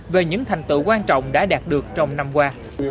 về những thành tựu quan trọng đã đạt được trong năm qua